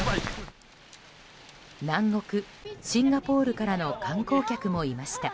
南国シンガポールからの観光客もいました。